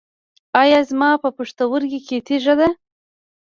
ایا زما په پښتورګي کې تیږه ده؟